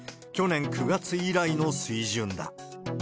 去年９月以来の水準だ。